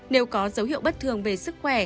nếu có dấu hiệu bất thường về sức khỏe